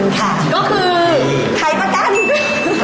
ก็คือขายประกาศ